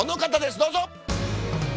どうぞ。